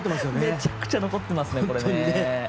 めちゃくちゃ残ってますね。